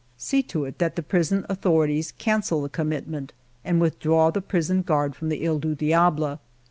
" See to it that the prison authorities cancel the commitment and withdraw the prison guard from the He du Diable.